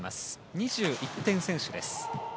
２１点先取です。